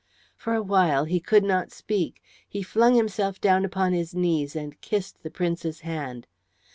For a while he could not speak; he flung himself upon his knees and kissed the Prince's hand.